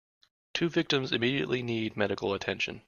Two victims immediately need medical attention.